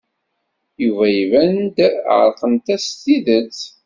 Yuba iban-d ɛerqent-as s tidet.